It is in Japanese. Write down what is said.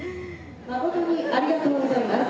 「まことにありがとうございます」。